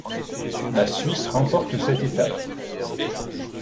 La Suisse remporte cette étape.